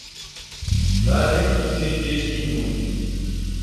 لارې اغزي غیږ کې نیولي